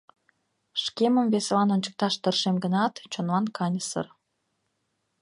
Шкемым веселан ончыкташ тыршем гынат, чонлан каньысыр.